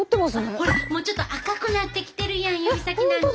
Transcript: ほらもうちょっと赤くなってきてるやん指先なんて。